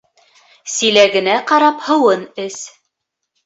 Силәгенә ҡарап һыуын эс.